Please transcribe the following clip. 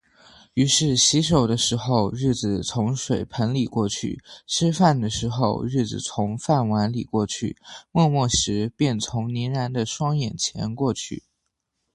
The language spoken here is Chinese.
于是——洗手的时候，日子从水盆里过去；吃饭的时候，日子从饭碗里过去；默默时，便从凝然的双眼前过去。